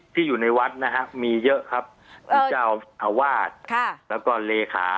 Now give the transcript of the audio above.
ที่อยู่ในวัดนะฮะมีเยอะครับท่านเจ้าอาวาสแล้วก็เลขา